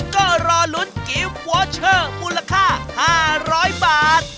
ก็รอลุ้นกิฟต์วอเชอร์มูลค่า๕๐๐บาท